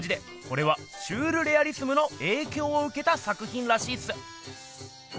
これはシュールレアリスムのえいきょうをうけた作品らしいっす。